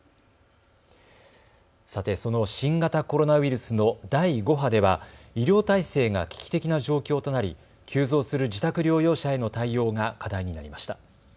さて、その新型コロナウイルスの第５波では医療体制が危機的な状況となり急増する自宅療養者への対応が課題になりました。